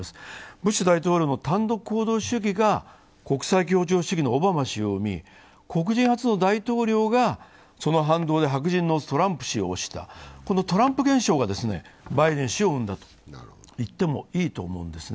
ブッシュ大統領の単独行動主義が国際協調主義のオバマ氏を生み、黒人初の大統領がその反動で白人のトランプ氏を推した、このトランプ現象がバイデン氏を生んだと言ってもいいと思うんです。